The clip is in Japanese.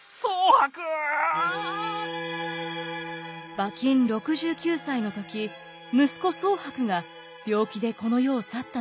馬琴６９歳の時息子宗伯が病気でこの世を去ったのです。